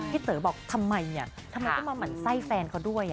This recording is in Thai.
พี่เต๋อบอกทำไมเนี่ยทำไมก็มาเหมือนไส้แฟนเขาด้วยอ่ะ